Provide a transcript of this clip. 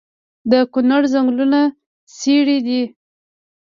د کونړ ځنګلونه څیړۍ دي